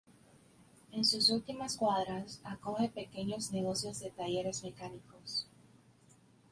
En sus últimas cuadras, acoge pequeños negocios de talleres mecánicos.